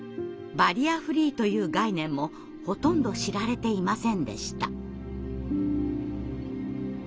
バリアフリーという概念もほとんど知られていませんでした。